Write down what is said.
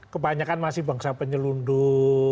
kebanyakan masih bangsa penyelundup